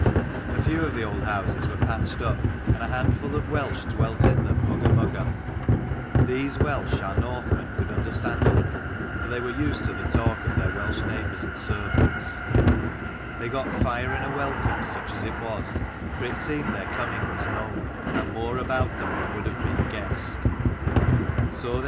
A few of the old houses were patched up, and a handful of Welsh dwelt in them hugger mugger. These Welsh our Northmen could understand a little, for they were used to the talk of their Welsh neighbours and servants. They got fire and a welcome, such as it was ; for it seemed their coming was known, and more about them than would have been guessed. So they passed G 49 ia&^&&te*S^rttFW* V ciP* 'Jlr .. r .'i "^f *.^&?*$/ <,Thorolfskeldjil ACl?